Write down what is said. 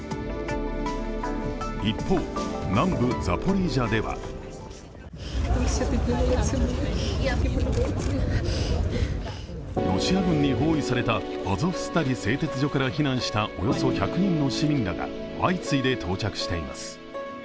一方、南部ザポリージャではロシア軍に包囲されたアゾフスタリ製鉄所から避難したおよそ１００人の市民らが相次いで到着しています。